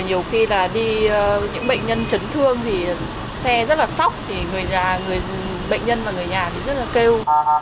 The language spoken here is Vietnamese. nhiều khi là đi những bệnh nhân chấn thương thì xe rất là sóc thì bệnh nhân và người nhà rất là kêu